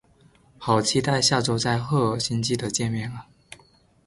好期待下周在赫尔辛基的见面啊